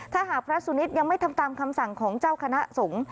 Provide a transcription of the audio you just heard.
ถ้าหากพระสุนิทยังไม่ทำตามคำสั่งของเจ้าคณะสงฆ์